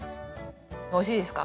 おいしいですか？